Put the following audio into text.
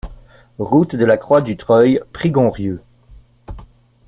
Route de la Croix du Treuil, Prigonrieux